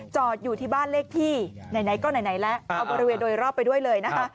จอดอยู่ที่บ้านเลขที่ไหนก็ไหนแล้วเอาบริเวณโดยรอบไปด้วยเลยนะคะ